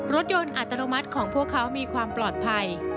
รถยนต์อัตโนมัติของพวกเขามีความปลอดภัย